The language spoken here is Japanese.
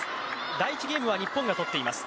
第１ゲームは日本がとっています。